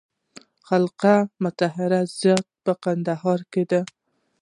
د خرقې مطهرې زیارت په کندهار کې دی